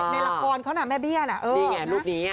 ในละครเขานะแม่เบี้ยนดีอะรูปนี้